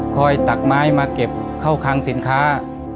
ตักไม้มาเก็บเข้าคังสินค้า